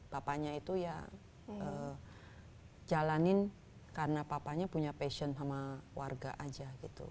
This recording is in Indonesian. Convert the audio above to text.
papanya itu ya jalanin karena papanya punya passion sama warga aja gitu